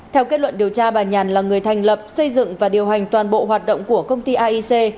theo kết luận điều tra bà nhàn là người thành lập xây dựng và điều hành toàn bộ hoạt động của công ty aic